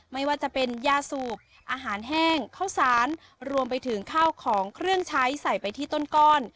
ไม่ว่าจะเป็นยาสูบอาหารแห้งข้าวสารรวมไปถึงข้าวของเครื่องใช้ใส่ไปที่ต้นก้อน